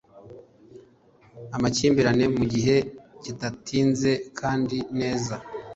Amakimbirane mu gihe kidatinze kandi neza